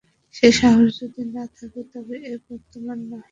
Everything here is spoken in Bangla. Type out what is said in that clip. সে সাহস যদি না থাকে তবে এ পদ তােমার নহে।